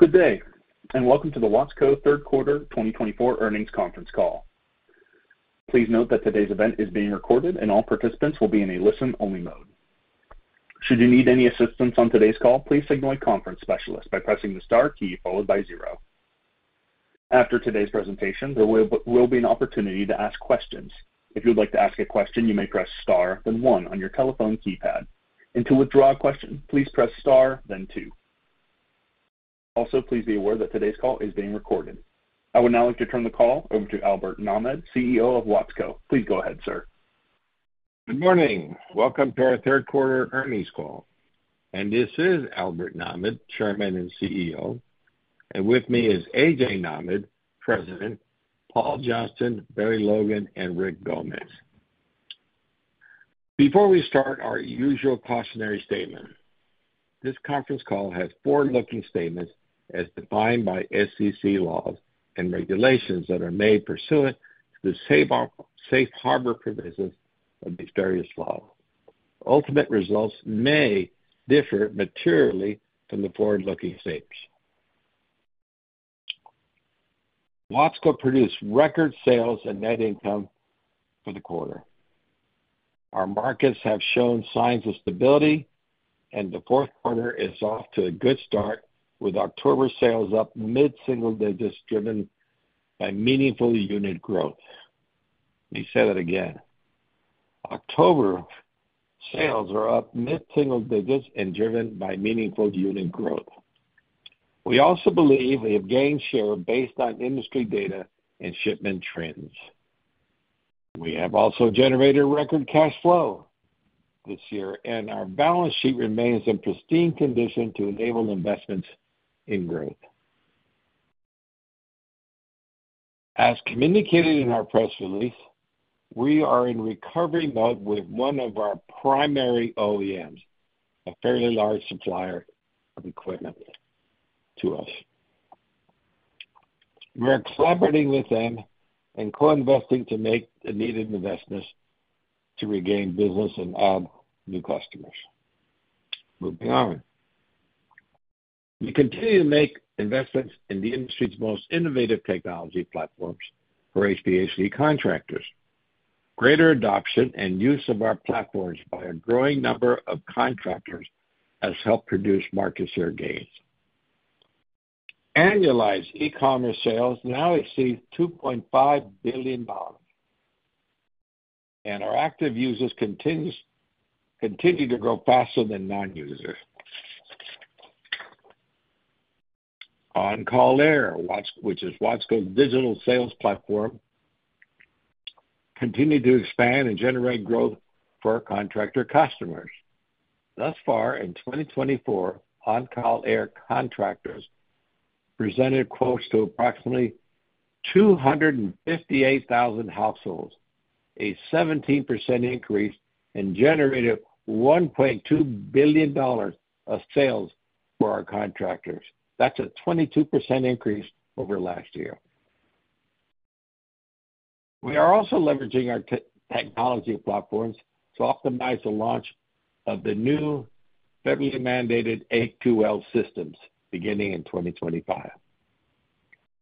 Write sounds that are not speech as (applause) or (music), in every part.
Good day, and welcome to the Watsco Q3 2024 Conference Call. Please note that today's event is being recorded, and all participants will be in a listen-only mode. Should you need any assistance on today's call, please signal a conference specialist by pressing the star key followed by zero. After today's presentation, there will be an opportunity to ask questions. If you'd like to ask a question, you may press star, then one on your telephone keypad, and to withdraw a question, please press star, then two. Also, please be aware that today's call is being recorded. I would now like to turn the call over to Albert Nahmad, CEO of Watsco. Please go ahead, sir. Good morning. Welcome to our third quarter earnings call, and this is Albert Nahmad, Chairman and CEO. And with me is A.J. Nahmad, President, Paul Johnston, Barry Logan, and Rick Gomez. Before we start, our usual cautionary statement. This conference call has forward-looking statements as defined by SEC laws and regulations that are made pursuant to the safe harbor provisions of these various laws. Ultimate results may differ materially from the forward-looking statements. Watsco produced record sales and net income for the quarter. Our markets have shown signs of stability, and the Q4 is off to a good start, with October sales up mid-single digits, driven by meaningful unit growth. Let me say that again. October sales are up mid-single digits and driven by meaningful unit growth. We also believe we have gained share based on industry data and shipment trends. We have also generated record cash flow this year, and our balance sheet remains in pristine condition to enable investments in growth. As communicated in our press release, we are in recovery mode with one of our primary OEMs, a fairly large supplier of equipment to us. We are collaborating with them and co-investing to make the needed investments to regain business and add new customers. Moving on. We continue to make investments in the industry's most innovative technology platforms for HVAC contractors. Greater adoption and use of our platforms by a growing number of contractors has helped produce market share gains. Annualized e-commerce sales now exceed $2.5 billion, and our active users continue to grow faster than non-users. OnCall Air, Watsco, which is Watsco's digital sales platform, continued to expand and generate growth for our contractor customers. Thus far in 2024, OnCall Air contractors presented quotes to approximately 258,000 households, a 17% increase, and generated $1.2 billion of sales for our contractors. That's a 22% increase over last year. We are also leveraging our technology platforms to optimize the launch of the new federally mandated A2L systems beginning in 2025.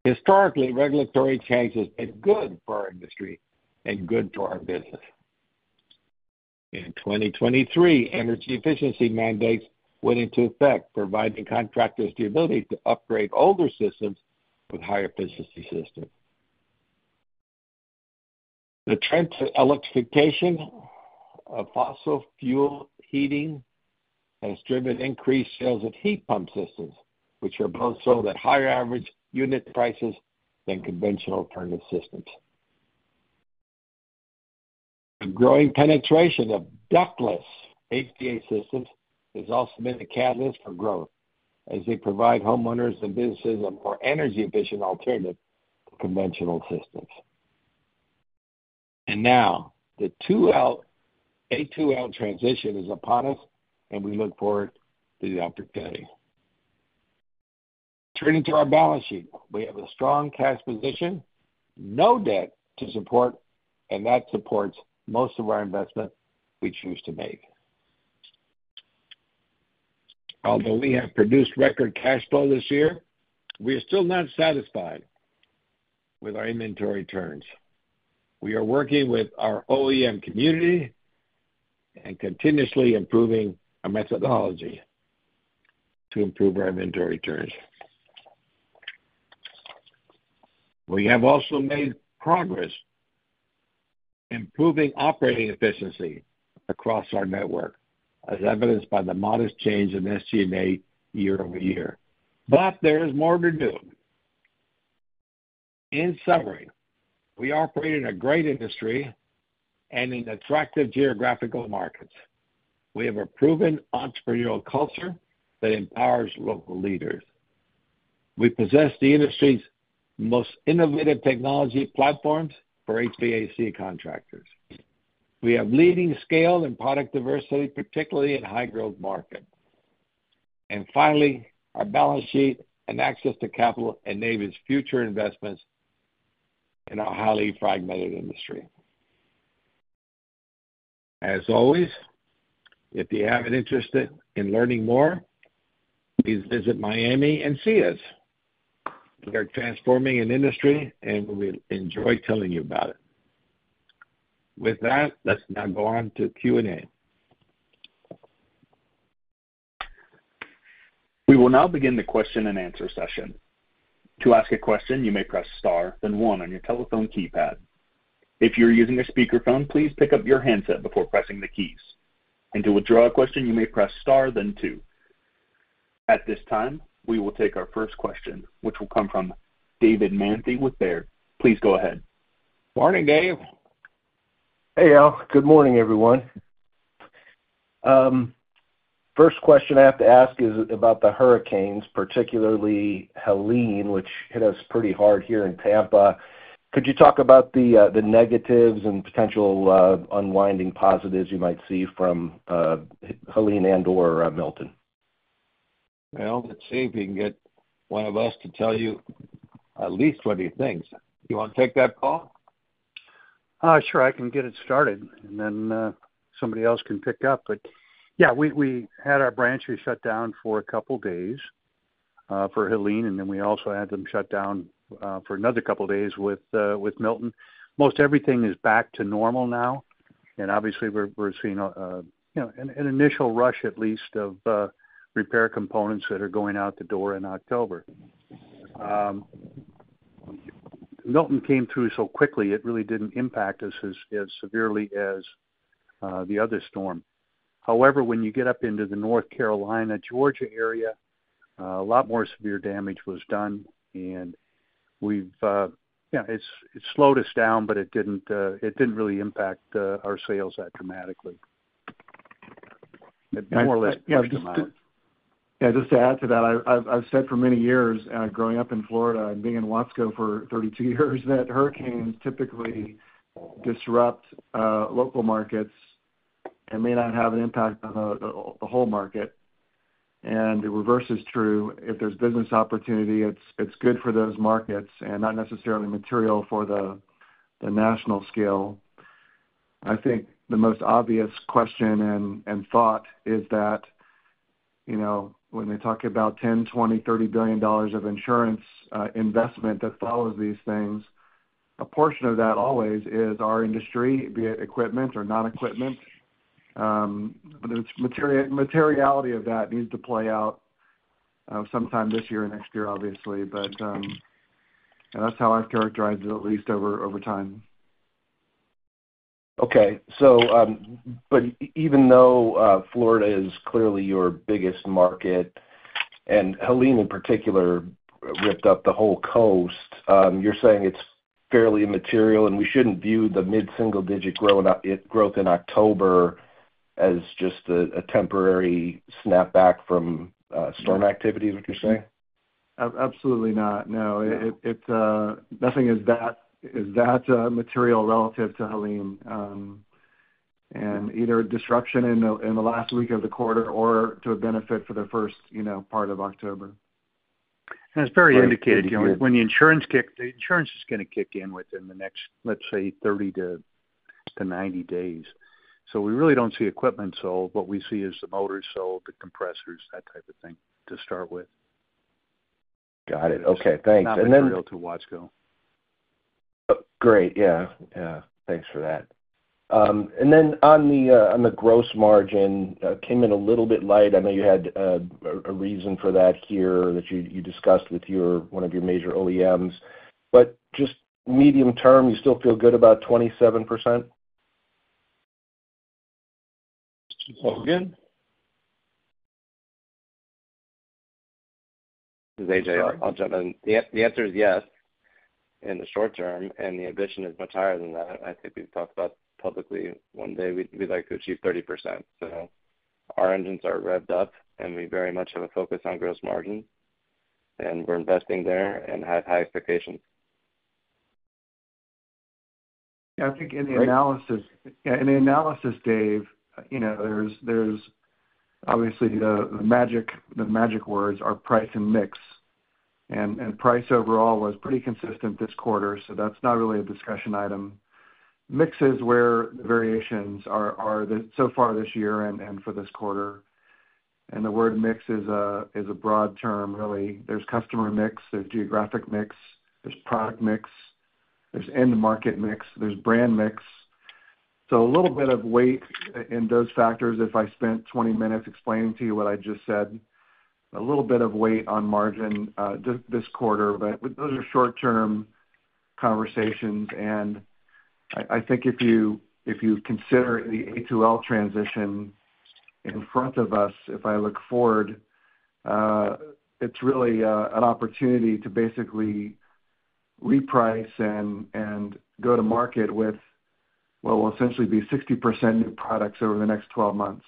Historically, regulatory changes have been good for our industry and good to our business. In 2023, energy efficiency mandates went into effect, providing contractors the ability to upgrade older systems with higher efficiency systems. The trend to electrification of fossil fuel heating has driven increased sales of heat pump systems, which are both sold at higher average unit prices than conventional alternative systems. The growing penetration of ductless HVAC systems has also been a catalyst for growth, as they provide homeowners and businesses a more energy-efficient alternative to conventional systems. And now, the A2L transition is upon us, and we look forward to the opportunity. Turning to our balance sheet. We have a strong cash position, no debt to support, and that supports most of our investment we choose to make. Although we have produced record cash flow this year, we are still not satisfied with our inventory turns. We are working with our OEM community and continuously improving our methodology to improve our inventory turns. We have also made progress in improving operating efficiency across our network, as evidenced by the modest change in SG&A year over year. But there is more to do. In summary, we operate in a great industry and in attractive geographical markets. We have a proven entrepreneurial culture that empowers local leaders. We possess the industry's most innovative technology platforms for HVAC contractors. We have leading scale and product diversity, particularly in high-growth market. And finally, our balance sheet and access to capital enables future investments in a highly fragmented industry. As always, if you have an interest in learning more, please visit Miami and see us. We are transforming an industry, and we enjoy telling you about it. With that, let's now go on to Q&A. We will now begin the question and answer session. To ask a question, you may press Star, then one on your telephone keypad. If you're using a speakerphone, please pick up your handset before pressing the keys. And to withdraw a question, you may press Star, then Two. At this time, we will take our first question, which will come from David Manthey with Baird. Please go ahead. Morning, Dave. Hey, Al. Good morning, everyone. First question I have to ask is about the hurricanes, particularly Helene, which hit us pretty hard here in Tampa. Could you talk about the negatives and potential unwinding positives you might see from Helene and/or Milton? Let's see if we can get one of us to tell you at least what he thinks. You want to take that, Paul? Sure, I can get it started, and then somebody else can pick up. But, yeah, we had our branches shut down for a couple days for Helene, and then we also had them shut down for another couple of days with Milton. Most everything is back to normal now, and obviously, we're seeing you know, an initial rush, at least of repair components that are going out the door in October. Milton came through so quickly, it really didn't impact us as severely as the other storm. However, when you get up into the North Carolina, Georgia area, a lot more severe damage was done, and we've yeah, it slowed us down, but it didn't really impact our sales that dramatically. More or less- Yeah, just to add to that, I've said for many years, growing up in Florida and being in Watsco for 32 years, that hurricanes typically disrupt local markets and may not have an impact on the whole market, and the reverse is true. If there's business opportunity, it's good for those markets and not necessarily material for the national scale. I think the most obvious question and thought is that, you know, when they talk about $10 billion, $20 billion, $30 billion of insurance investment that follows these things, a portion of that always is our industry, be it equipment or non-equipment, but its materiality needs to play out sometime this year or next year, obviously, but that's how I've characterized it, at least over time. Okay. So, but even though Florida is clearly your biggest market, and Helene, in particular, ripped up the whole coast, you're saying it's fairly immaterial, and we shouldn't view the mid-single digit growth in October as just a temporary snapback from storm activity, is what you're saying? Absolutely not. No. Yeah. Nothing is that material relative to Helene, and either a disruption in the last week of the quarter or to a benefit for the first, you know, part of October. As Barry indicated, you know, when the insurance is gonna kick in within the next, let's say, 30-90 days. So we really don't see equipment sold. What we see is the motors sold, the compressors, that type of thing, to start with. Got it. Okay, thanks. Not material to Watsco. Great. Yeah. Yeah, thanks for that. And then on the gross margin came in a little bit light. I know you had a reason for that here, that you discussed with your one of your major OEMs. But just medium term, you still feel good about 27%? Well, again? This is A.J. Sorry. I'll jump in. The answer is yes, in the short term, and the ambition is much higher than that. I think we've talked about publicly, one day we'd like to achieve 30%. So our engines are revved up, and we very much have a focus on gross margin, and we're investing there and have high expectations. Yeah, I think in the analysis, Dave, you know, there's obviously the magic words are price and mix, and price overall was pretty consistent this quarter, so that's not really a discussion item. Mix is where the variations are so far this year and for this quarter. And the word mix is a broad term, really. There's customer mix, there's geographic mix, there's product mix, there's end-market mix, there's brand mix. So a little bit of weight in those factors, if I spent 20 min explaining to you what I just said, a little bit of weight on margin this quarter, but those are short-term conversations. I think if you consider the A2L transition in front of us, if I look forward, it's really an opportunity to basically reprice and go to market with what will essentially be 60% new products over the next 12 months.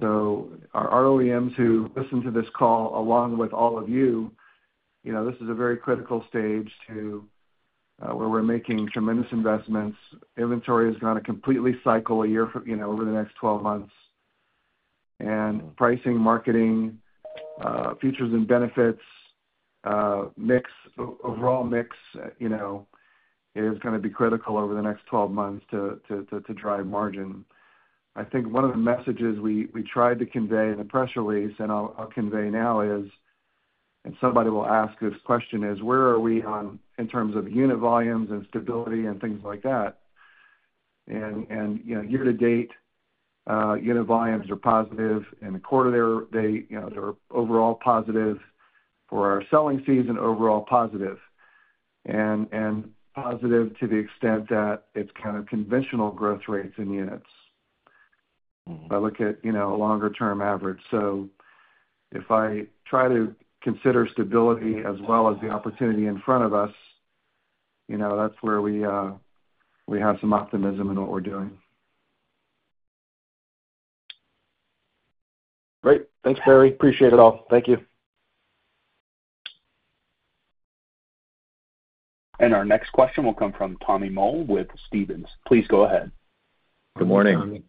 So our OEMs who listen to this call, along with all of you, you know, this is a very critical stage to where we're making tremendous investments. Inventory is going to completely cycle a year from you know, over the next twelve months and pricing, marketing, features and benefits, mix, overall mix, you know, is gonna be critical over the next twelve months to drive margin. I think one of the messages we tried to convey in the press release, and I'll convey now, is, and somebody will ask this question, is where are we on in terms of unit volumes and stability and things like that? You know, year to date, unit volumes are positive, and the quarter to date, you know, they're overall positive. For our selling season, overall positive. Positive to the extent that it's kind of conventional growth rates in units. If I look at, you know, a longer term average. So if I try to consider stability as well as the opportunity in front of us, you know, that's where we have some optimism in what we're doing. Great. Thanks, Barry. Appreciate it all. Thank you. Our next question will come from Tommy Moll with Stephens. Please go ahead. Good morning. Good morning, Tommy.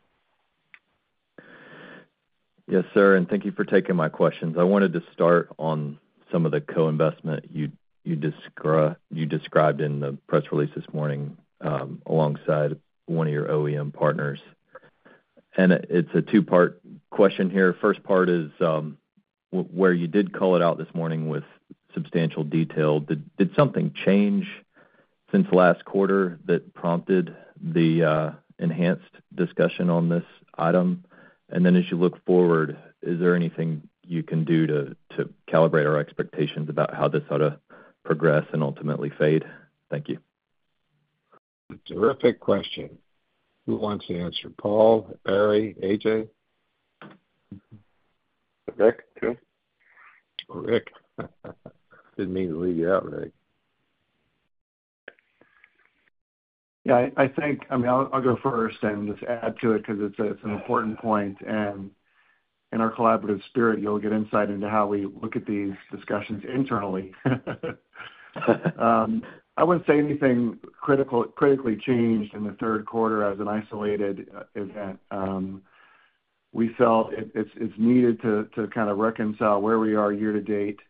Yes, sir, and thank you for taking my questions. I wanted to start on some of the co-investment you described in the press release this morning, alongside one of your OEM partners. And it's a two-part question here. First part is, where you did call it out this morning with substantial detail. Did something change since last quarter that prompted the enhanced discussion on this item? And then as you look forward, is there anything you can do to calibrate our expectations about how this ought to progress and ultimately fade? Thank you. Terrific question. Who wants to answer? Paul, Barry, A.J.? Rick, too. Rick. Didn't mean to leave you out, Rick. Yeah, I think. I mean, I'll go first and just add to it 'cause it's an important point, and in our collaborative spirit, you'll get insight into how we look at these discussions internally. I wouldn't say anything critically changed in the third quarter as an isolated event. We felt it. It's needed to kind of reconcile where we are year to date.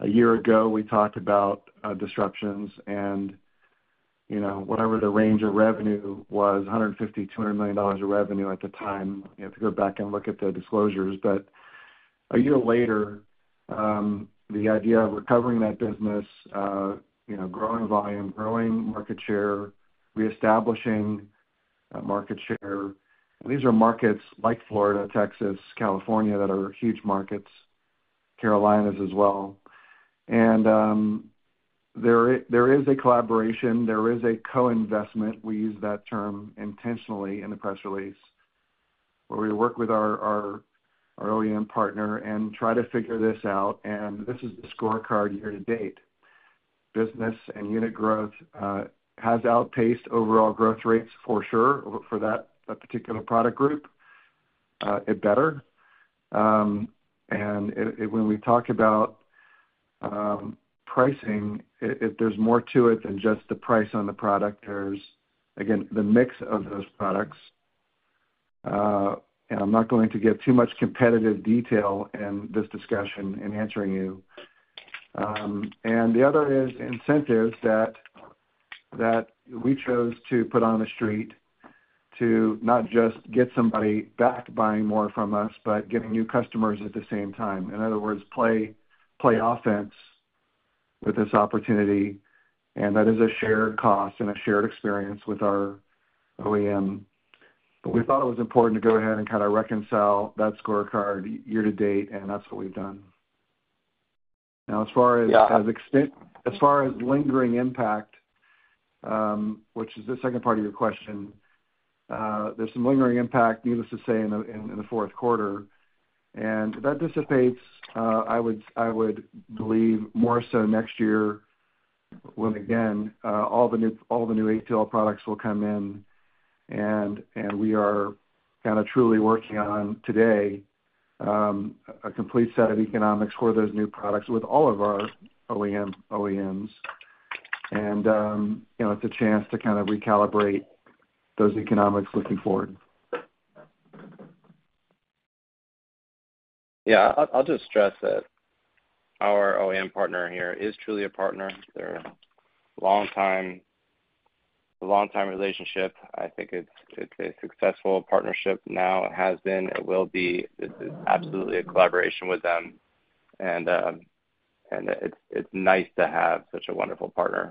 A year ago, we talked about disruptions and, you know, whatever the range of revenue was, $150-$200 million of revenue at the time. You have to go back and look at the disclosures. But a year later, the idea of recovering that business, you know, growing volume, growing market share, reestablishing market share, these are markets like Florida, Texas, California, that are huge markets, Carolinas as well. And there is a collaboration, there is a co-investment, we use that term intentionally in the press release, where we work with our OEM partner and try to figure this out, and this is the scorecard year to date. Business and unit growth has outpaced overall growth rates for sure, for that particular product group. It better. And when we talk about pricing, there's more to it than just the price on the product. There's, again, the mix of those products. And I'm not going to give too much competitive detail in this discussion in answering you. And the other is incentives that we chose to put on the street to not just get somebody back buying more from us, but getting new customers at the same time. In other words, play offense with this opportunity, and that is a shared cost and a shared experience with our OEM. But we thought it was important to go ahead and kind of reconcile that scorecard year to date, and that's what we've done. Now, as far as- Yeah... as far as lingering impact, which is the second part of your question, there's some lingering impact, needless to say, in the Q4. And that dissipates, I would believe, more so next year, when, again, all the new A2L products will come in, and we are kind of truly working on today, a complete set of economics for those new products with all of our OEMs. And, you know, it's a chance to kind of recalibrate those economics looking forward. Yeah, I'll just stress that our OEM partner here is truly a partner. They're a long time relationship. I think it's a successful partnership now, it has been, it will be. This is absolutely a collaboration with them, and it's nice to have such a wonderful partner.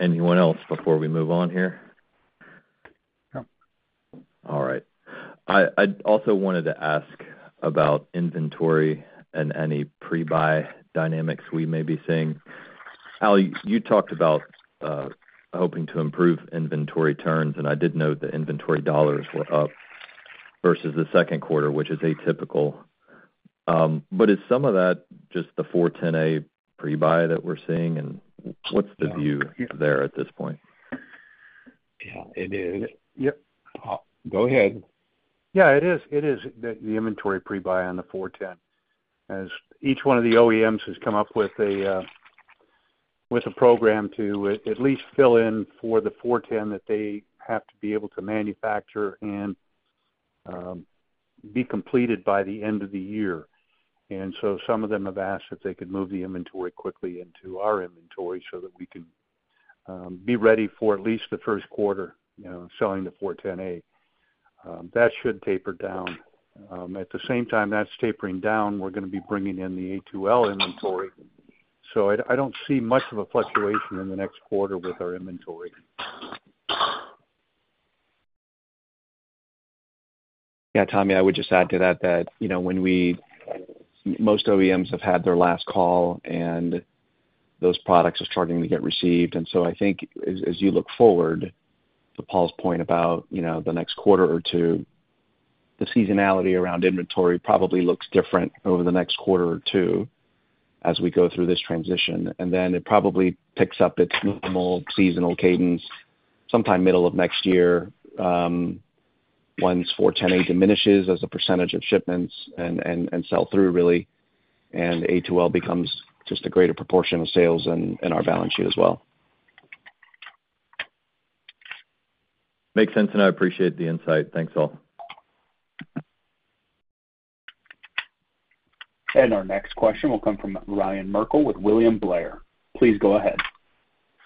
Anyone else before we move on here? No. All right. I'd also wanted to ask about inventory and any pre-buy dynamics we may be seeing. Al, you talked about hoping to improve inventory turns, and I did note the inventory dollars were up versus the second quarter, which is atypical, but is some of that just the 410A pre-buy that we're seeing, and what's the view there at this point? Yeah, it is. Yep. Go ahead. Yeah, it is. It is the inventory pre-buy on the 410 as each one of the OEMs has come up with a program to at least fill in for the 410 that they have to be able to manufacture and be completed by the end of the year. And so some of them have asked if they could move the inventory quickly into our inventory so that we can be ready for at least the first quarter, you know, selling the 410A. That should taper down. At the same time that's tapering down, we're gonna be bringing in the A2L inventory. So I don't see much of a fluctuation in the next quarter with our inventory. Yeah, Tommy, I would just add to that that, you know, when we-- most OEMs have had their last call, and those products are starting to get received. And so I think as you look forward to Paul's point about, you know, the next quarter or two, the seasonality around inventory probably looks different over the next quarter or two as we go through this transition. And then it probably picks up its normal seasonal cadence sometime middle of next year, once 410A diminishes as a percentage of shipments and sell through really, and A2L becomes just a greater proportion of sales and our balance sheet as well. Makes sense, and I appreciate the insight. Thanks, all. Our next question will come from Ryan Merkel with William Blair. Please go ahead.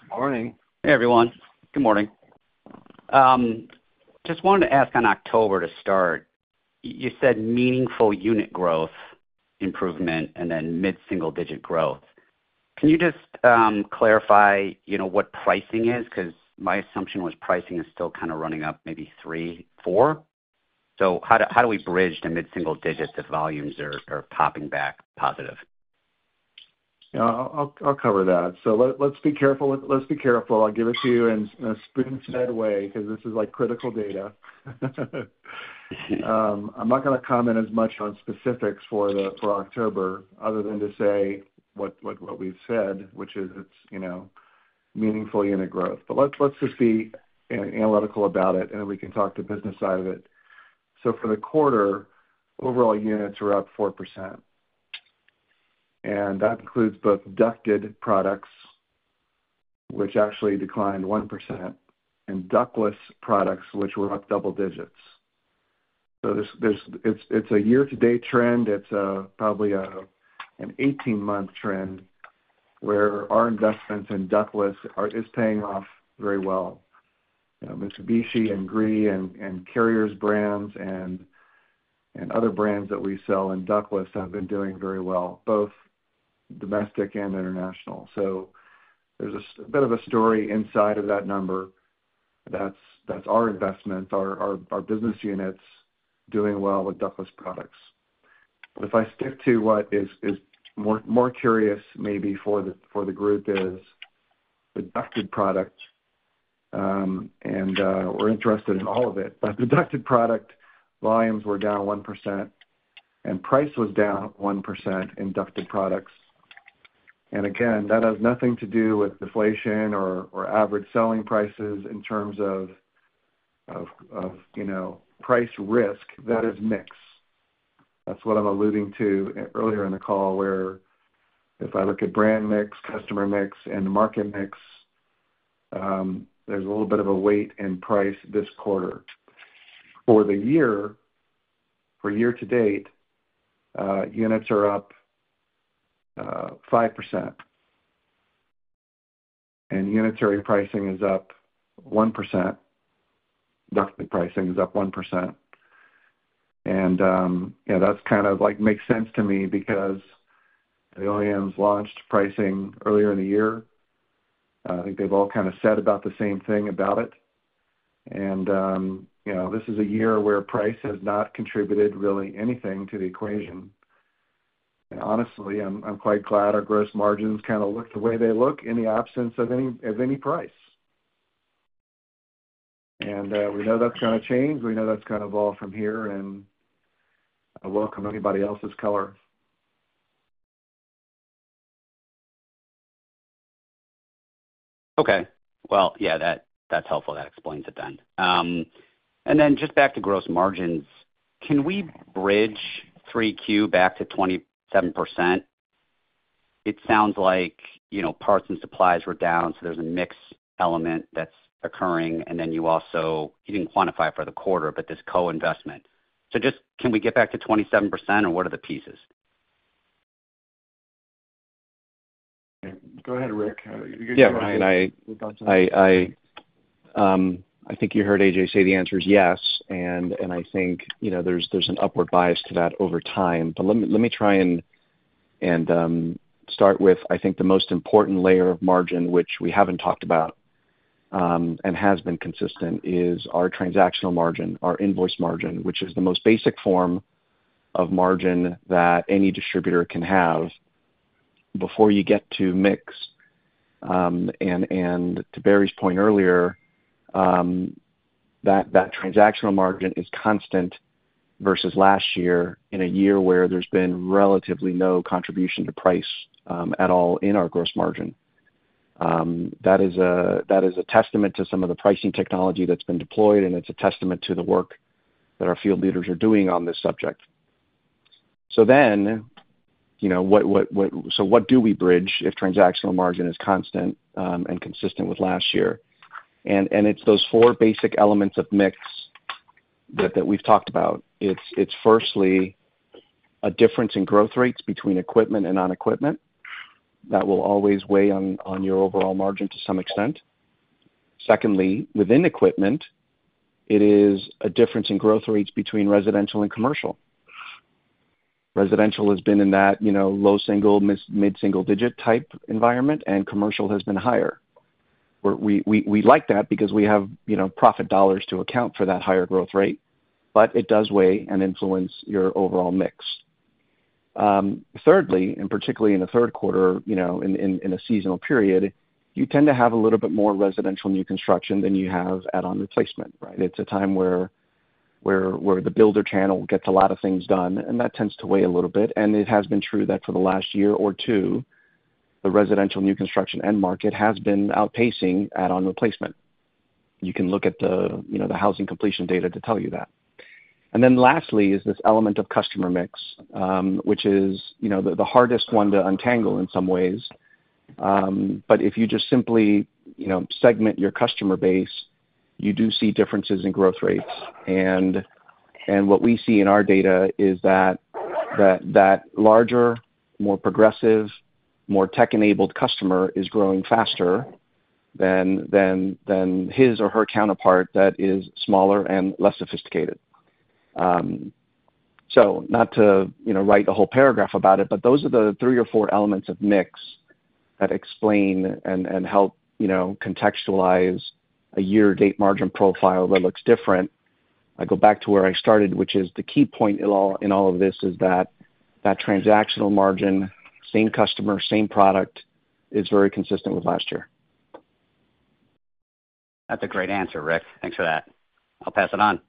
Good morning. Hey, everyone. Good morning. Just wanted to ask on October to start. You said meaningful unit growth improvement and then mid-single-digit growth. Can you just clarify, you know, what pricing is? 'Cause my assumption was pricing is still kind of running up maybe three, four. So how do we bridge to mid-single digits if volumes are popping back positive? Yeah, I'll cover that. So let's be careful. I'll give it to you in a spoon-fed way, because this is like critical data. I'm not gonna comment as much on specifics for October other than to say what we've said, which is it's, you know, meaningful unit growth. But let's just be analytical about it, and we can talk the business side of it. So for the quarter, overall units were up 4%, and that includes both ducted products, which actually declined 1%, and ductless products, which were up double digits. So this, it's a year-to-date trend. It's a, probably, an 18-month trend, where our investments in ductless are paying off very well. You know, Mitsubishi and Gree and Carrier's brands and other brands that we sell in ductless have been doing very well, both domestic and international. So there's a bit of a story inside of that number. That's our investment, our business unit's doing well with ductless products. But if I stick to what is more curious maybe for the group is the ducted product. We're interested in all of it, but the ducted product volumes were down 1%, and price was down 1% in ducted products. And again, that has nothing to do with deflation or average selling prices in terms of you know, price risk. That is mix. That's what I'm alluding to earlier in the call, where if I look at brand mix, customer mix, and market mix, there's a little bit of a weight in price this quarter. For the year, for year to date, units are up 5%, and unitary pricing is up 1%. Ductless pricing is up 1%. And, yeah, that's kind of like makes sense to me because the OEMs launched pricing earlier in the year. I think they've all kind of said about the same thing about it. And, you know, this is a year where price has not contributed really anything to the equation. And honestly, I'm quite glad our gross margins kind of look the way they look in the absence of any price. And, we know that's gonna change. We know that's gonna evolve from here, and I welcome anybody else's color. Okay. Well, yeah, that, that's helpful. That explains it then. And then just back to gross margins. Can we bridge Q3 back to 27%? It sounds like, you know, parts and supplies were down, so there's a mix element that's occurring, and then you also... You didn't quantify for the quarter, but this co-investment. So just, can we get back to 27%, or what are the pieces? Go ahead, Rick. Yeah, Ryan, I think you heard A.J. say the answer is yes, and I think, you know, there's an upward bias to that over time. But let me try and start with, I think, the most important layer of margin, which we haven't talked about, and has been consistent, is our transactional margin, our invoice margin, which is the most basic form of margin that any distributor can have before you get to mix. And to Barry's point earlier, that transactional margin is constant versus last year, in a year where there's been relatively no contribution to price, at all in our gross margin. That is a testament to some of the pricing technology that's been deployed, and it's a testament to the work that our field leaders are doing on this subject. So then, you know, so what do we bridge if transactional margin is constant, and consistent with last year? And it's those four basic elements of mix that we've talked about. It's firstly, a difference in growth rates between equipment and non-equipment that will always weigh on your overall margin to some extent. Secondly, within equipment, it is a difference in growth rates between residential and commercial. Residential has been in that, you know, low single, mid-single digit type environment, and commercial has been higher. We like that because we have, you know, profit dollars to account for that higher growth rate, but it does weigh and influence your overall mix. Thirdly, and particularly in the third quarter, you know, in a seasonal period, you tend to have a little bit more residential new construction than you have add-on replacement, right? It's a time where the builder channel gets a lot of things done, and that tends to weigh a little bit, and it has been true that for the last year or two, the residential new construction end market has been outpacing add-on replacement. You can look at the housing completion data to tell you that, and then lastly, is this element of customer mix, which is, you know, the hardest one to untangle in some ways. But if you just simply, you know, segment your customer base, you do see differences in growth rates. And what we see in our data is that that larger, more progressive, more tech-enabled customer is growing faster than than his or her counterpart that is smaller and less sophisticated. So not to, you know, write a whole paragraph about it, but those are the three or four elements of mix that explain and help, you know, contextualize a year-to-date margin profile that looks different. I go back to where I started, which is the key point in all of this, is that transactional margin, same customer, same product, is very consistent with last year. That's a great answer, Rick. Thanks for that. I'll pass it on.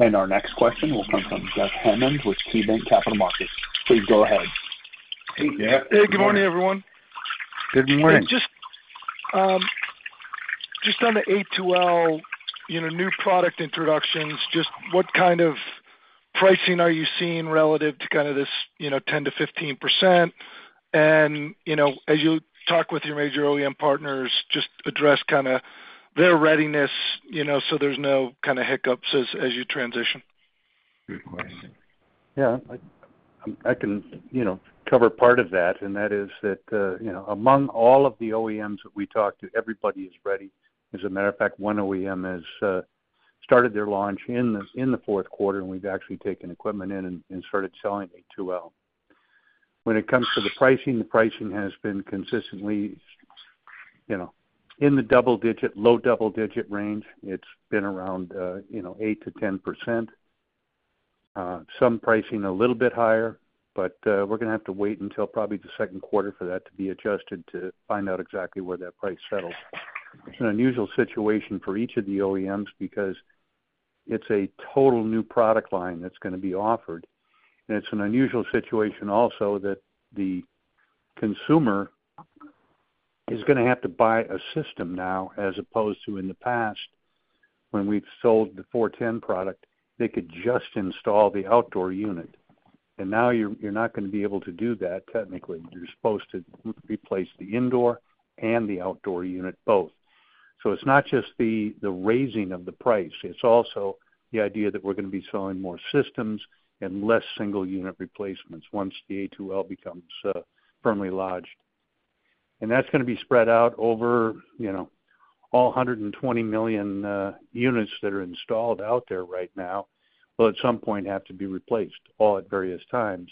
Our next question will come from Jeff Hammond with KeyBanc Capital Markets. Please go ahead. Hey, Jeff. Hey, good morning, everyone. Good morning. Just, just on the A2L, you know, new product introductions, just what kind of pricing are you seeing relative to kind of this, you know, 10%-15%? And, you know, as you talk with your major OEM partners, just address kind of their readiness, you know, so there's no kind of hiccups as you transition. Good question. Yeah, I can, you know, cover part of that, and that is that, you know, among all of the OEMs that we talk to, everybody is ready. As a matter of fact, one OEM has started their launch in the Q4, and we've actually taken equipment in and started selling A2L. When it comes to the pricing, the pricing has been consistently, you know, in the double digit, low double-digit range. It's been around, you know, 8%-10%. Some pricing a little bit higher, but we're gonna have to wait until probably the second quarter for that to be adjusted to find out exactly where that price settles. It's an unusual situation for each of the OEMs because it's a total new product line that's gonna be offered. It's an unusual situation also, that the consumer is gonna have to buy a system now, as opposed to in the past, when we've sold the 410 product, they could just install the outdoor unit, and now you're not gonna be able to do that technically. You're supposed to replace the indoor and the outdoor unit both. So it's not just the raising of the price, it's also the idea that we're gonna be selling more systems and less single unit replacements once the A2L becomes firmly lodged. And that's gonna be spread out over, you know, all 120 million units that are installed out there right now, will at some point have to be replaced, all at various times.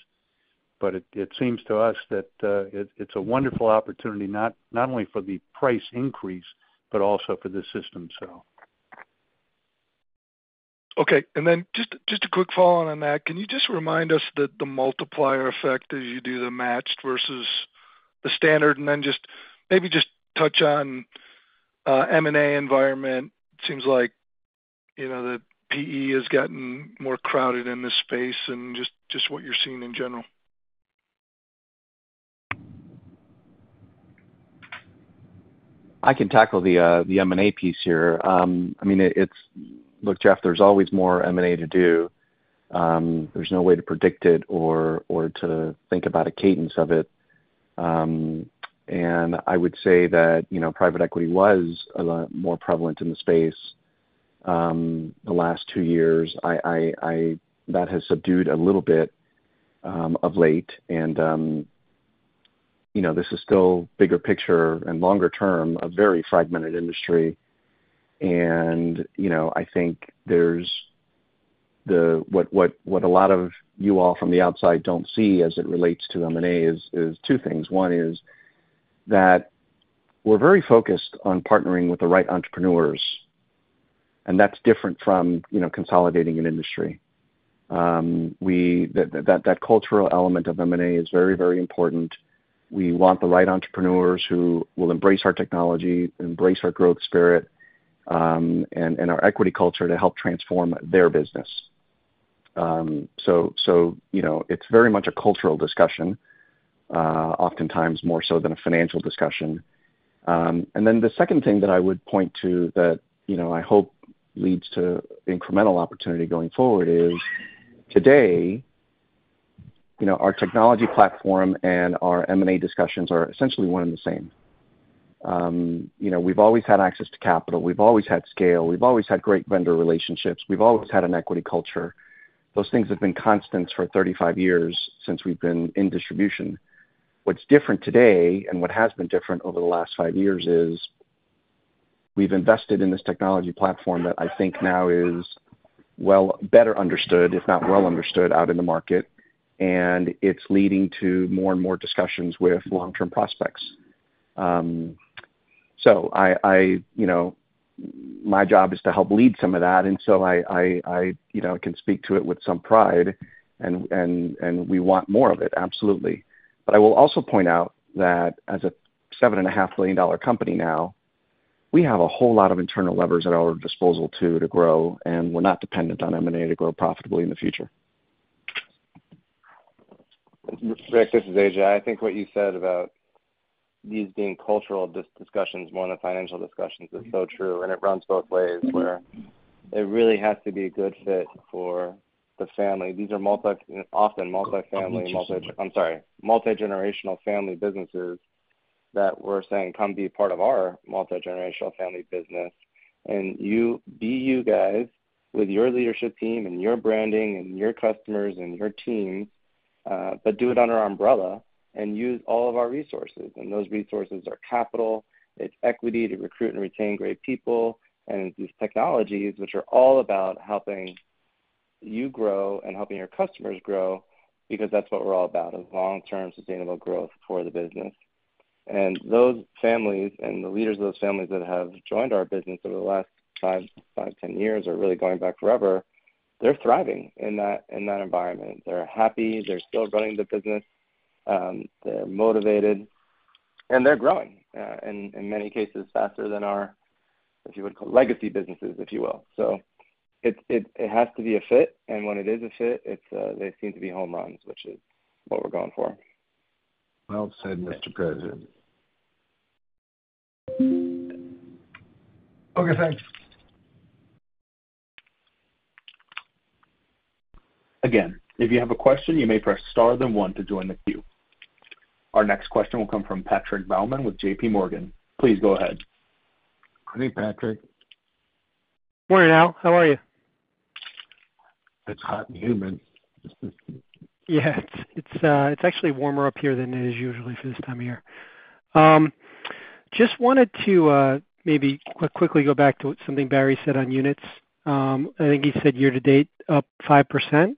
But it seems to us that it's a wonderful opportunity, not only for the price increase, but also for the system sale. Okay. And then just a quick follow-on on that. Can you just remind us that the multiplier effect, as you do the matched versus the standard, and then just maybe touch on the M&A environment? It seems like, you know, the PE has gotten more crowded in this space and just what you're seeing in general. I can tackle the M&A piece here. I mean, it's, look, Jeff, there's always more M&A to do. There's no way to predict it or to think about a cadence of it. And I would say that, you know, private equity was a lot more prevalent in the space the last two years. That has subdued a little bit of late, and you know, this is still bigger picture and longer term, a very fragmented industry. And you know, I think there's the, what a lot of you all from the outside don't see as it relates to M&A is two things. One is that we're very focused on partnering with the right entrepreneurs, and that's different from you know, consolidating an industry. That cultural element of M&A is very, very important. We want the right entrepreneurs who will embrace our technology, embrace our growth spirit, and our equity culture to help transform their business. So, you know, it's very much a cultural discussion, oftentimes more so than a financial discussion. And then the second thing that I would point to that, you know, I hope leads to incremental opportunity going forward is, today, you know, our technology platform and our M&A discussions are essentially one and the same. You know, we've always had access to capital. We've always had scale. We've always had great vendor relationships. We've always had an equity culture. Those things have been constants for 35 years since we've been in distribution. What's different today, and what has been different over the last five years, is we've invested in this technology platform that I think now is well, better understood, if not well understood, out in the market, and it's leading to more and more discussions with long-term prospects, so I, you know, my job is to help lead some of that, and so I, you know, can speak to it with some pride, and we want more of it, absolutely, but I will also point out that as a $7.5 million company now, we have a whole lot of internal levers at our disposal, too, to grow, and we're not dependent on M&A to grow profitably in the future. Rick, this is A.J. I think what you said about these being cultural discussions, more than financial discussions, is so true, and it runs both ways, where it really has to be a good fit for the family. These are multigenerational family businesses that we're saying, "Come be part of our multigenerational family business, and you be you guys with your leadership team and your branding and your customers and your team, but do it under our umbrella and use all of our resources," and those resources are capital, it's equity to recruit and retain great people, and these technologies, which are all about helping you grow and helping your customers grow, because that's what we're all about, is long-term, sustainable growth for the business. Those families and the leaders of those families that have joined our business over the last five, ten years are really going back forever. They're thriving in that environment. They're happy. They're still running the business. They're motivated, and they're growing in many cases faster than our, if you would, legacy businesses, if you will. So it has to be a fit, and when it is a fit, it's they seem to be home runs, which is what we're going for. Well said, Mr. President. Okay, thanks. Again, if you have a question, you may press Star, then one to join the queue. Our next question will come from Patrick Baumann with JPMorgan. Please go ahead. Hey, Patrick. Morning, Al. How are you? It's hot and humid. Yeah, it's actually warmer up here than it is usually for this time of year. Just wanted to maybe quickly go back to something Barry said on units. I think he said year to date, up 5%.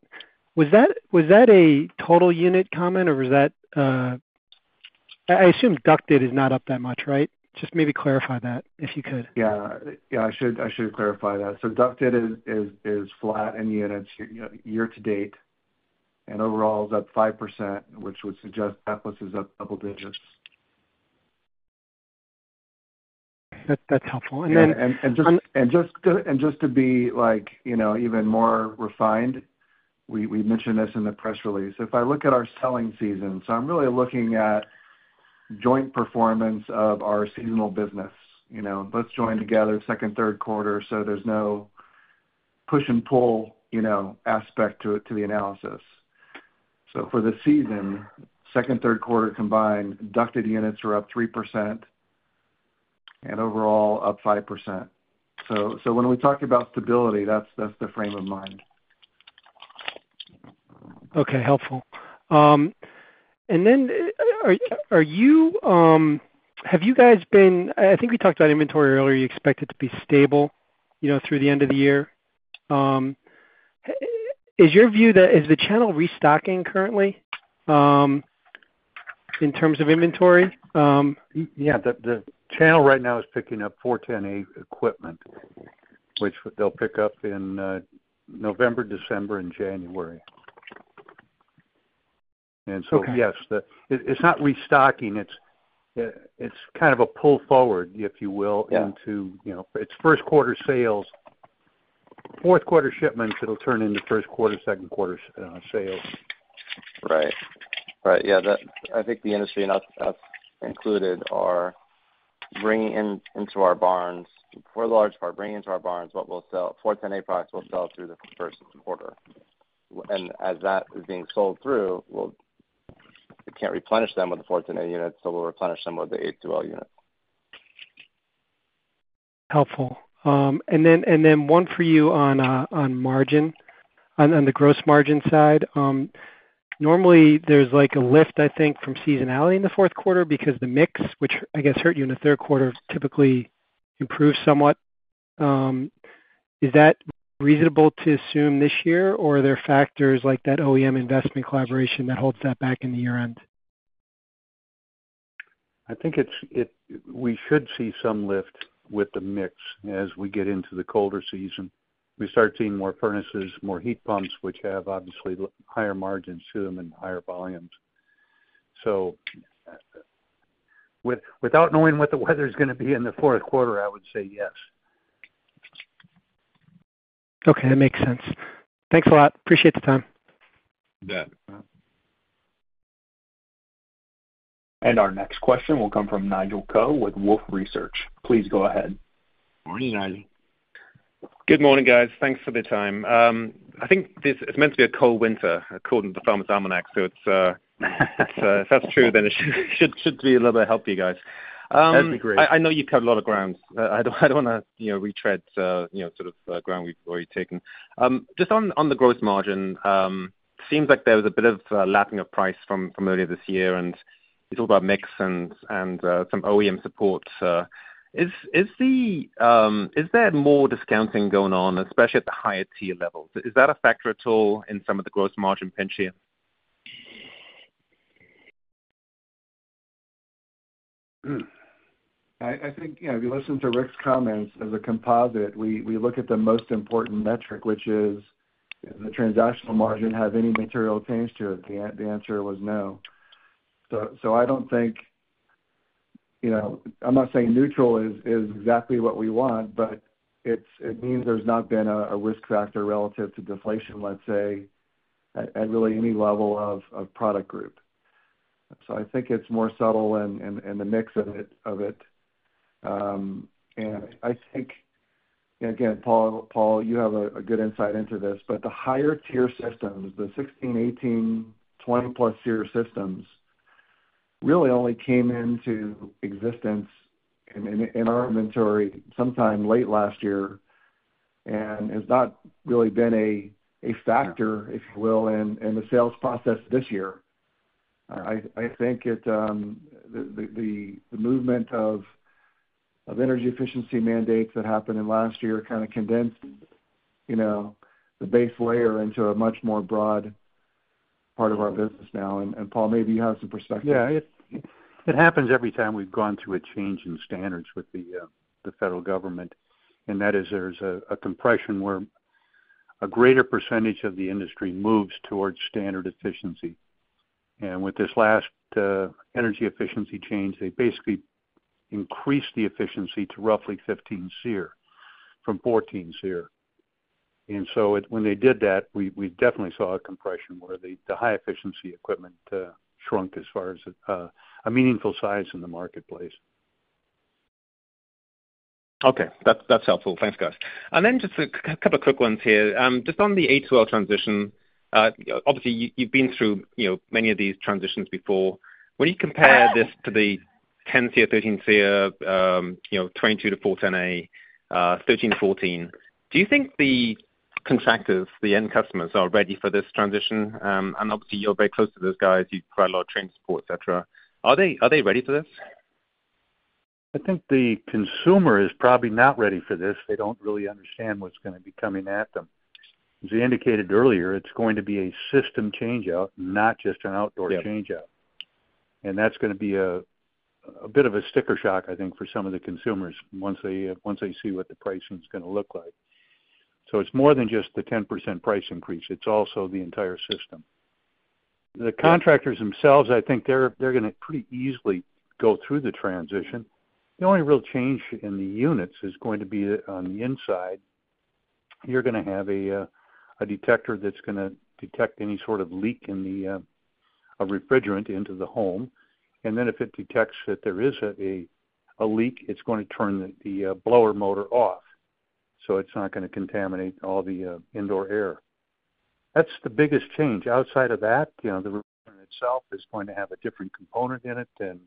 Was that a total unit comment, or was that... I assume ducted is not up that much, right? Just maybe clarify that, if you could. Yeah. Yeah, I should clarify that. So ducted is flat in units year to date, and overall is up 5%, which would suggest Atlas is up double digits. That's helpful. And just to be like, you know, even more refined, we mentioned this in the press release. If I look at our selling season, so I'm really looking at joint performance of our seasonal business. You know, let's join together Q2, Q3, so there's no push and pull, you know, aspect to it to the analysis. So for the season, second and third quarter combined, ducted units are up 3% and overall up 5%. So when we talk about stability, that's the frame of mind. Okay, helpful. And then, have you guys been... I think we talked about inventory earlier. You expect it to be stable, you know, through the end of the year. Is your view that the channel is restocking currently in terms of inventory? Yeah, the channel right now is picking up 410A equipment, which they'll pick up in November, December and January. Okay. And so, yes. It's not restocking. It's kind of a pull forward, if you will- Yeah into, you know, it's first quarter sales, Q4 shipments, it'll turn into first quarter, second quarter, sales. Right. Yeah, that I think the industry, and us, included, are bringing into our barns, for the large part, what we'll sell, 410A products we'll sell through the first quarter. And as that is being sold through, we can't replenish them with the 410A units, so we'll replenish them with the A2L units. Helpful. And then one for you on margin, on the gross margin side. Normally, there's like a lift, I think, from seasonality in the Q4 because the mix, which I guess hurt you in the third quarter, typically improves somewhat. Is that reasonable to assume this year, or are there factors like that OEM investment collaboration that holds that back in the year-end? I think we should see some lift with the mix as we get into the colder season. We start seeing more furnaces, more heat pumps, which have obviously higher margins to them and higher volumes.... So, without knowing what the weather's gonna be in the Q4, I would say yes. Okay, that makes sense. Thanks a lot. Appreciate the time. You bet. Our next question will come from Nigel Coe with Wolfe Research. Please go ahead. Morning, Nigel. Good morning, guys. Thanks for the time. I think this, it's meant to be a cold winter, according to the Farmers' Almanac, so it's, if that's true, then it should be a little bit of help for you guys. That'd be great. I know you've covered a lot of ground. I don't wanna, you know, retread, you know, sort of ground we've already taken. Just on the gross margin, seems like there was a bit of lapping of price from earlier this year, and you talked about mix and some OEM support. So is there more discounting going on, especially at the higher tier levels? Is that a factor at all in some of the gross margin pinch here? I othink, you know, if you listen to Rick's comments as a composite, we look at the most important metric, which is the transactional margin. Have any material change to it? The answer was no, so I don't think, you know. I'm not saying neutral is exactly what we want, but it means there's not been a risk factor relative to deflation, let's say, at really any level of product group, so I think it's more subtle in the mix of it. And I think, again, Paul, you have a good insight into this, but the higher tier systems, the 16, 18, 20+ SEER systems, really only came into existence in our inventory sometime late last year, and has not really been a factor, if you will, in the sales process this year. I think it, the movement of energy efficiency mandates that happened in last year kind of condensed, you know, the base layer into a much more broad part of our business now. And Paul, maybe you have some perspective. Yeah. It happens every time we've gone through a change in standards with the federal government, and that is there's a compression where a greater percentage of the industry moves towards standard efficiency. With this last energy efficiency change, they basically increased the efficiency to roughly 15 SEER from 14 SEER. So it, when they did that, we definitely saw a compression where the high efficiency equipment shrunk as far as a meaningful size in the marketplace. Okay. That's, that's helpful. Thanks, guys. And then just a couple of quick ones here. Just on the A2L transition, obviously, you've been through, you know, many of these transitions before. When you compare this to the 10 SEER, 13 SEER, you know, 22 to 410A, 13-14, do you think the contractors, the end customers, are ready for this transition? And obviously, you're very close to those guys. You provide a lot of training, support, et cetera. Are they ready for this? I think the consumer is probably not ready for this. They don't really understand what's gonna be coming at them. As I indicated earlier, it's going to be a system changeout, not just an outdoor changeout. Yep. And that's gonna be a bit of a sticker shock, I think, for some of the consumers once they see what the pricing is gonna look like. So it's more than just the 10% price increase, it's also the entire system. The contractors themselves, I think they're gonna pretty easily go through the transition. The only real change in the units is going to be on the inside. You're gonna have a detector that's gonna detect any sort of leak in the refrigerant into the home. And then if it detects that there is a leak, it's going to turn the blower motor off, so it's not gonna contaminate all the indoor air. That's the biggest change. Outside of that, you know, the one itself is going to have a different component in it than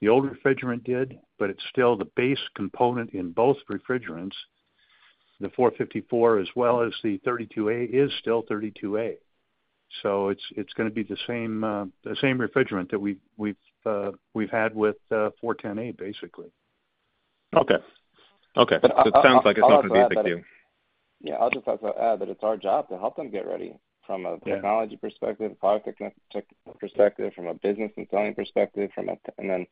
the old refrigerant did, but it's still the base component in both refrigerants. The 454, as well as the 32A, is still 32A. So it's gonna be the same, the same refrigerant that we've had with 410A, basically. Okay. Okay. But I- (crosstalk) It sounds like it's not gonna be a big deal. Yeah, I'll just also add that it's our job to help them get ready from a- Yeah... technology perspective, product tech, tech perspective, from a business and selling perspective, and then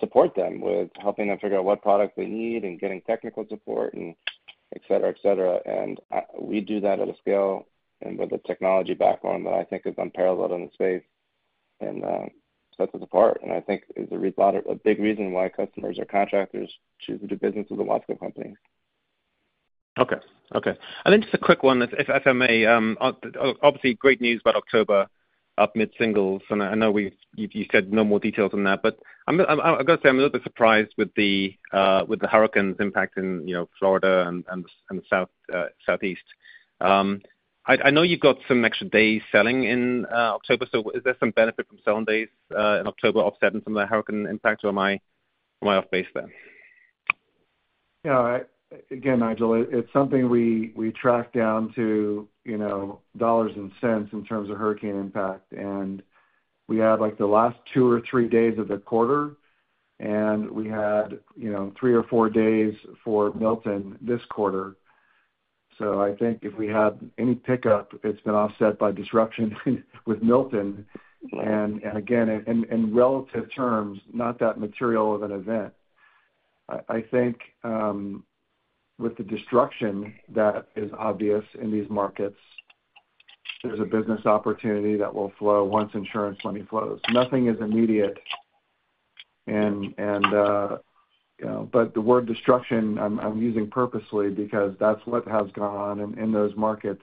support them with helping them figure out what products they need and getting technical support and et cetera, et cetera. And, we do that at a scale and with a technology background that I think is unparalleled in the space and, sets us apart, and I think is a real big reason why customers or contractors choose to do business with The Watsco Company. Okay. Okay, and then just a quick one, if I may. Obviously, great news about October, up mid singles, and I know you said no more details on that, but I've got to say, I'm a little bit surprised with the hurricane's impact in, you know, Florida and the South, Southeast. I know you've got some extra days selling in October, so is there some benefit from selling days in October offsetting some of the hurricane impact, or am I off base there? Yeah. Again, Nigel, it's something we track down to, you know, dollars and cents in terms of hurricane impact, and we had, like, the last two or three days of the quarter, and we had, you know, three or four days for Milton this quarter. So I think if we had any pickup, it's been offset by disruption with Milton, and again, in relative terms, not that material of an event. I think with the destruction that is obvious in these markets, there's a business opportunity that will flow once insurance money flows. Nothing is immediate and, you know, but the word destruction I'm using purposely because that's what has gone on in those markets.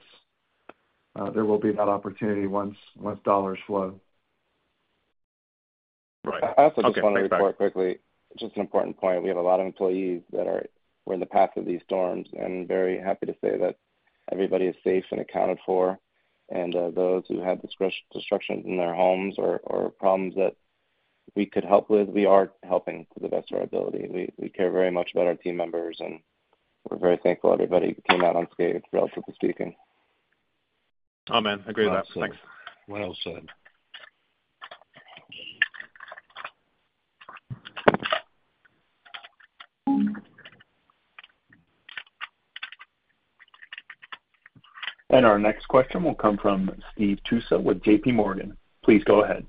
There will be that opportunity once dollars flow. Right. I also just wanna report quickly, just an important point. We have a lot of employees that were in the path of these storms, and very happy to say that everybody is safe and accounted for, and those who had destruction in their homes or problems that we could help with, we are helping to the best of our ability. We care very much about our team members, and we're very thankful everybody came out unscathed, relatively speaking. Amen. Agree with that. Thanks. Well said. Well said. Our next question will come from Steve Tusa with JPMorgan. Please go ahead.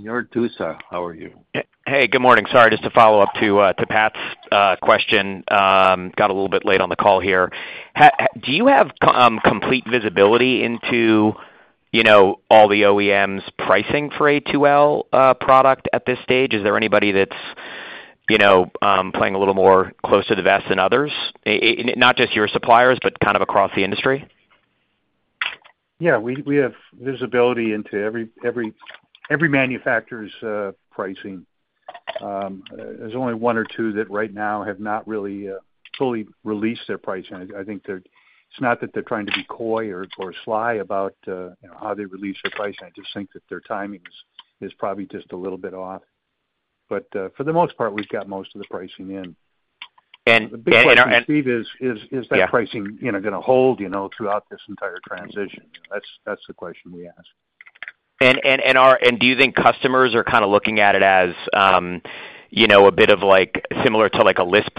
Steve Tusa, how are you? Hey, good morning. Sorry, just to follow up to Pat's question, got a little bit late on the call here. Do you have complete visibility into, you know, all the OEMs pricing for A2L product at this stage? Is there anybody that's, you know, playing a little more close to the vest than others? Not just your suppliers, but kind of across the industry? Yeah, we have visibility into every manufacturer's pricing. There's only one or two that right now have not really fully released their pricing. I think it's not that they're trying to be coy or sly about, you know, how they release their pricing. I just think that their timing is probably just a little bit off, but for the most part, we've got most of the pricing in. And, and- The big question, Steve, is that pricing, you know, gonna hold, you know, throughout this entire transition? That's the question we ask. Do you think customers are kind of looking at it as, you know, a bit of like, similar to like a list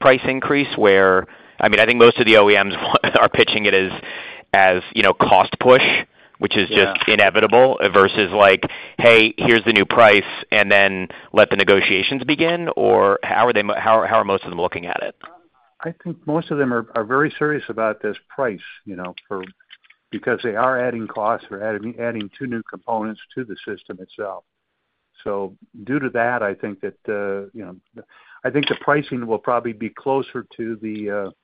price increase? Where, I mean, I think most of the OEMs are pitching it as, you know, cost push, which is just- Yeah... inevitable versus like, "Hey, here's the new price," and then let the negotiations begin, or how are they, how are most of them looking at it? I think most of them are very serious about this price, you know, for... Because they are adding costs or adding two new components to the system itself. So due to that, I think that, you know, I think the pricing will probably be closer to the, you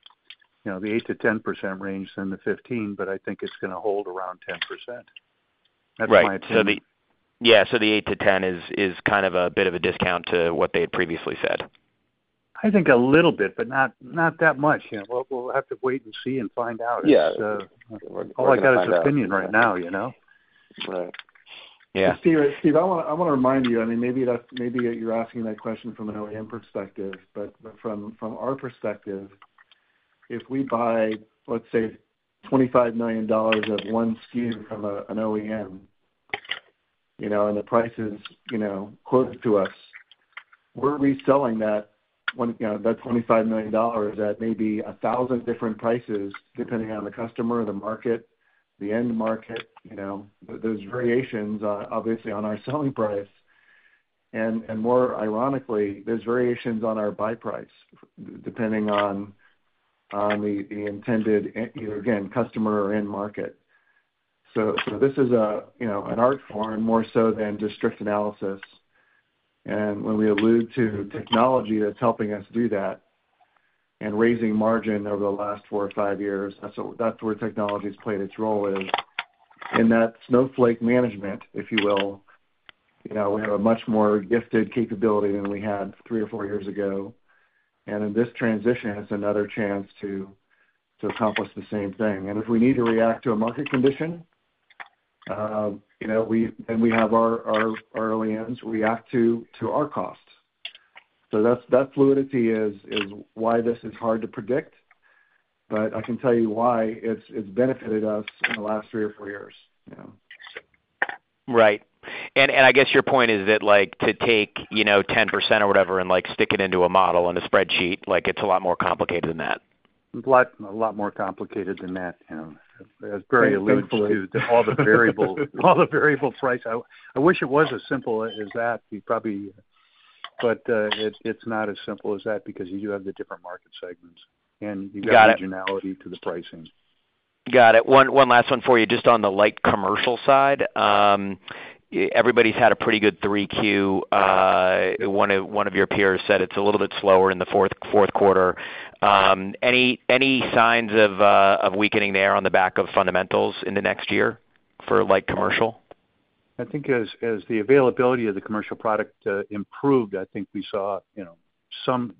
know, the eight to 10% range than the 15%, but I think it's gonna hold around 10%. Right. That's my opinion. The eight to 10 is kind of a bit of a discount to what they had previously said. I think a little bit, but not that much. You know, we'll have to wait and see and find out. Yeah. All I got is opinion right now, you know? Right. Yeah. Steve, Steve, I wanna remind you. I mean, maybe that's maybe you're asking that question from an OEM perspective, but from our perspective, if we buy, let's say, $25 million of one SKU from an OEM, you know, and the price is quoted to us, we're reselling that one, you know, that $25 million at maybe a thousand different prices, depending on the customer, the market, the end market, you know. There are variations, obviously, on our selling price, and more ironically, there are variations on our buy price, depending on the intended, again, customer or end market. So this is, you know, an art form more so than just strict analysis. And when we allude to technology that's helping us do that and raising margin over the last four or five years, that's, so that's where technology's played its role is, in that snowflake management, if you will. You know, we have a much more gifted capability than we had three or four years ago, and in this transition, it's another chance to accomplish the same thing. And if we need to react to a market condition, you know, we then have our OEMs react to our costs. So that's, that fluidity is why this is hard to predict, but I can tell you why it's benefited us in the last three or four years, you know? Right. And I guess your point is that like to take, you know, 10% or whatever and like, stick it into a model on a spreadsheet, like, it's a lot more complicated than that. A lot, a lot more complicated than that, you know. As Barry alludes to. All the variables, all the variable prices. I wish it was as simple as that, we probably... But, it, it's not as simple as that because you do have the different market segments, and- Got it... you've got regionality to the pricing. Got it. One last one for you, just on the light commercial side. Everybody's had a pretty good Q3. One of your peers said it's a little bit slower in the Q4. Any signs of weakening there on the back of fundamentals in the next year for light commercial? I think as the availability of the commercial product improved, I think we saw, you know, some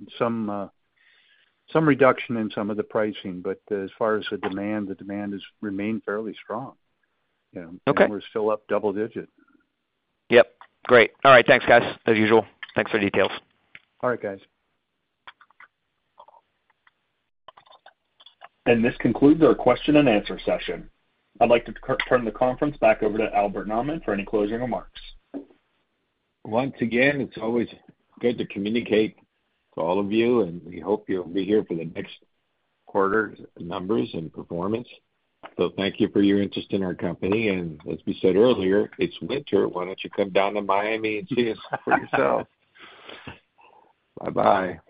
reduction in some of the pricing. But as far as the demand, the demand has remained fairly strong. You know- Okay... and we're still up double digits. Yep. Great. All right. Thanks, guys, as usual. Thanks for the details. All right, guys. This concludes our question and answer session. I'd like to turn the conference back over to Albert Nahmad for any closing remarks. Once again, it's always good to communicate to all of you, and we hope you'll be here for the next quarter's numbers and performance. So thank you for your interest in our company, and as we said earlier, it's winter. Why don't you come down to Miami and see us for yourself? Bye-bye.